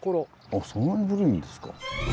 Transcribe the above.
あそんなに古いんですか。